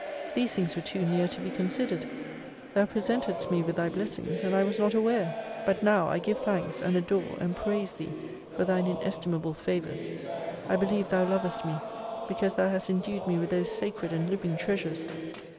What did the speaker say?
These things were too near to be considered. Thou presen tedst me with Thy blessings, and I was not aware. But now I give thanks and adore and praise Thee for Thine inestimable favors. I believe Thou lovest me, because Thou hast endued me with those sacred and living treaures.